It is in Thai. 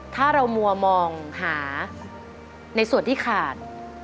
ถ้าเรามัวมองหาในส่วนที่ขาด